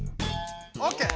オッケー！